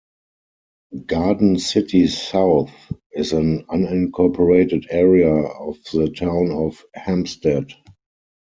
Garden City South is an unincorporated area of the Town of Hempstead.